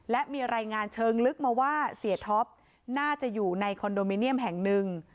และมีรายงานเชิงลึกมาว่าเสียท็อปน่าจะอยู่ในคอนโดมิเนียมแห่งหนึ่ง